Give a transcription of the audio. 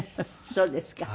そうですか。